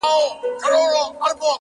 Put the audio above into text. • مساپر ستړي پر لار یو ګوندي راسي ,